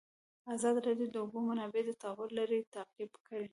ازادي راډیو د د اوبو منابع د تحول لړۍ تعقیب کړې.